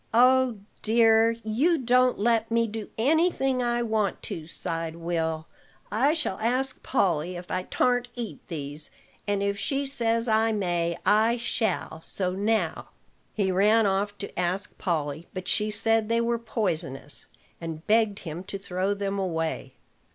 "Oh, dear! you don't let me do any thing I want to," sighed Will. "I shall ask Polly if I tarn't eat these; and, if she says I may, I shall, so now." He ran off to ask Polly; but she said they were poisonous, and begged him to throw them away.